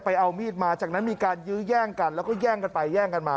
เอามีดมาจากนั้นมีการยื้อแย่งกันแล้วก็แย่งกันไปแย่งกันมา